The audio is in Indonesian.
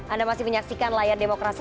anda masih menyaksikan layar demokrasi